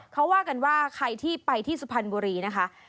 เขาว่ากันว่าใครที่ไปที่สุพรรณบุรีนะคะ